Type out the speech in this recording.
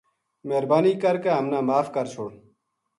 مہربانی کر کے ہم نا معاف کر چھُڑ